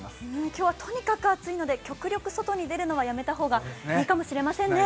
今日はとにかく暑いので極力外に出るのはやめた方がいいかもしれませんね。